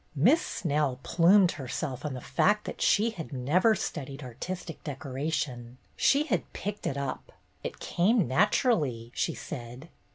Miss Snell plumed herself on the fact that she had never studied artistic decoration ; she had ''picked it up; it came naturally," she said.